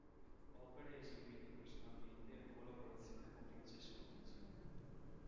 Opere eseguite personalmente o in collaborazione con Francesco Biggi